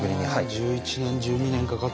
１１年１２年かかってんだ。